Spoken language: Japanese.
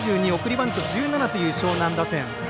バント１７という樟南打線。